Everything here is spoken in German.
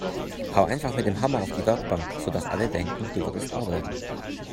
Hau einfach mit dem Hammer auf die Werkbank, sodass alle denken, du würdest arbeiten!